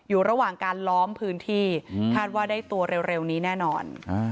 อยู่ระหว่างการล้อมพื้นที่คาดว่าได้ตัวเร็วนี้แน่นอน